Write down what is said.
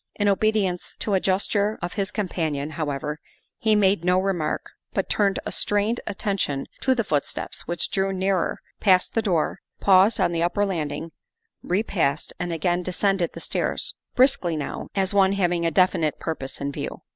In obedience to a gesture of his companion, how ever, he made no remark, but turned a strained atten tion to the footsteps, which drew nearer, passed the door, paused on the upper landing, repassed, and again de scended the stairs, briskly now, as one having a definite purpose in view.